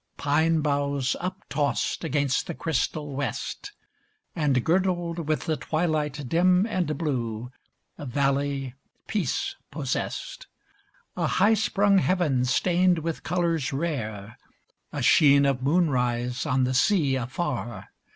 Pine boughs uptossed against the crystal west, And, girdled with the twilight dim and blue, A valley peace possessed; A high sprung heaven stained with colors rare, A sheen of moonrise on the sea a>far.